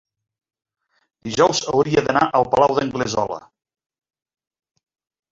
dijous hauria d'anar al Palau d'Anglesola.